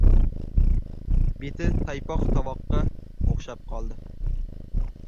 Beti taypoq toboqqa o‘xshab qoldi.